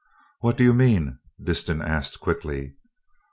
"What do you mean?" Disston asked quickly.